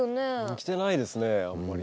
来てないですねあんまり。